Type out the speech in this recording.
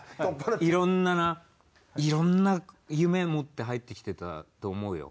いろんなないろんな夢持って入ってきてたと思うよ。